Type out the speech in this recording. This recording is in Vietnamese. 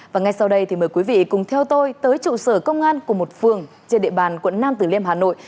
và ngay sau đây thì mời quý vị cùng theo tôi tới trụ sở công an của một phường trên địa bàn quận nam tử liêm hà nội